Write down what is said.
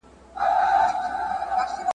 دې د ابوجهل له اعلان سره به څه کوو ,